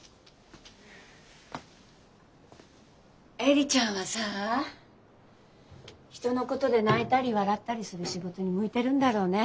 恵里ちゃんはさ人のことで泣いたり笑ったりする仕事に向いてるんだろうね。